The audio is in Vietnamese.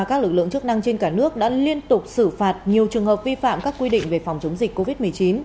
các lực lượng chức năng trên cả nước đã liên tục xử phạt nhiều trường hợp vi phạm các quy định về phòng chống dịch covid một mươi chín